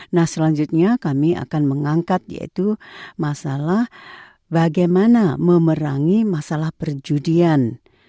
nah selanjutnya kami akan mengangkat yaitu masalah bagaimana memerangi masalah perjudian